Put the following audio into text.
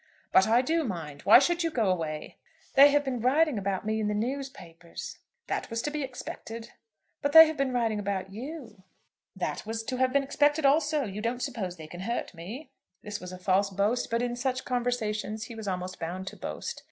"But I do mind. Why should you go away?" "They have been writing about me in the newspapers." "That was to be expected." "But they have been writing about you." "That was to have been expected also. You don't suppose they can hurt me?" This was a false boast, but in such conversations he was almost bound to boast.